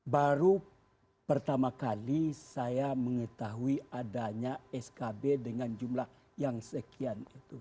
baru pertama kali saya mengetahui adanya skb dengan jumlah yang sekian itu